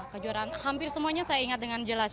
kejuaraan hampir semuanya saya ingat dengan jelas